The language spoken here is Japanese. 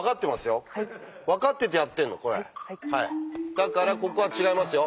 だからここは違いますよ。